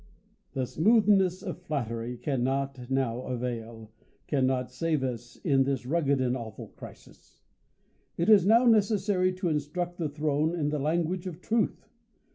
The smoothness of flattery cannot now avail ; cannot save us in this rugged and awful crisis. It is now ne cessary to instruct the throne in the language of truth.